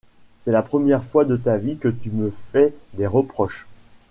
C’est la première fois de ta vie que tu me fais des reproches.